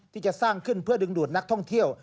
ที่จะสร้างขึ้นเพื่อดึงดูดนักท่องเที่ยว